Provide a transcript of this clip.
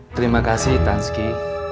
terima kasih tanski